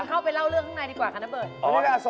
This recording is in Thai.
เข้าไปเล่าเรื่องข้างในดีกว่าค่ะนะเบิร์ต